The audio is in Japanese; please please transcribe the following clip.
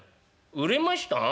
売れました？